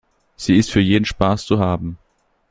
Sie ist für jeden Spaß zu haben.